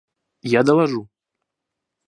Я доложу.